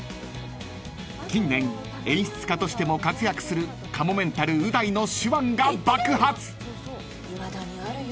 ［近年演出家としても活躍するかもめんたるう大の手腕が爆発！］